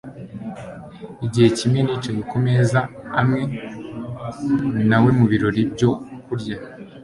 Igihe kimwe nicaye kumeza amwe nawe mubirori byo kurya